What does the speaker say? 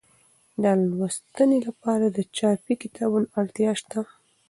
د لوستنې لپاره د چاپي کتابونو اړتیا شته.